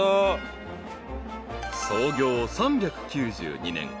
［創業３９２年。